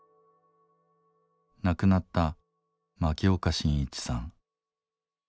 亡くなった牧岡伸一さん。